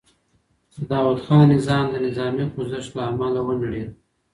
د داوود خان نظام د نظامي خوځښت له امله ونړېد.